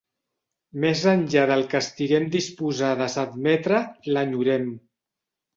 Més enllà del que estiguem disposades a admetre, l'enyorem.